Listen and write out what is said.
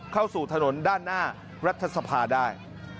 เข้าสู่ถนนด้านหน้ารัฐสภาได้